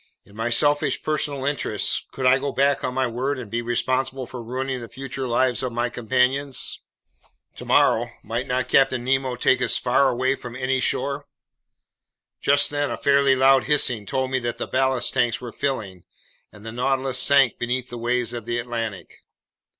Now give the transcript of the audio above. In my selfish personal interests, could I go back on my word and be responsible for ruining the future lives of my companions? Tomorrow, might not Captain Nemo take us far away from any shore? Just then a fairly loud hissing told me that the ballast tanks were filling, and the Nautilus sank beneath the waves of the Atlantic.